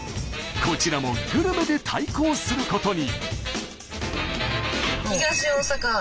こちらもグルメで対抗することに。